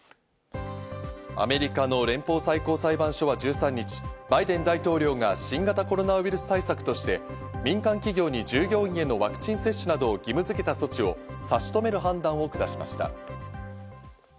アメリカの連邦最高裁判所は１３日、バイデン大統領が新型コロナウイルス対策として民間企業に従業員へのワクチン接種などを義務づけた措置を差し止める判断を下しました。